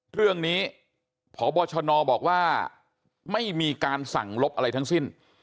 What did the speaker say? เรื่องนี้พบชนบอกว่าไม่มีการสั่งลบอะไรทั้งสิ้น